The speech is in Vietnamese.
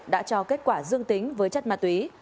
đã cho kết quả dương tính với chất ma túy